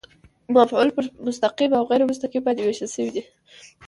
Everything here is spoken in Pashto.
مفعول پر مستقیم او غېر مستقیم باندي وېشل سوی دئ.